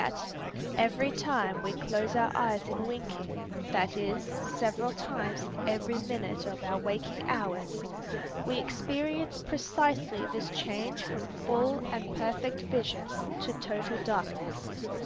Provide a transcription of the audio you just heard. Yet, every time we close our eyes in winking, that is, several times in every minute of our waking hours, we experience precisely this change from full and perfect vision to total darkness.